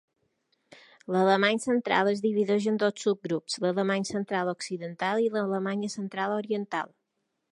L'alemany central es divideix en dos subgrups, l'alemany central occidental i l'alemanya central oriental.